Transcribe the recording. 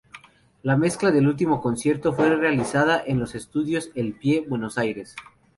La mezcla del Último Concierto fue realizada en los estudios El Pie, Buenos Aires.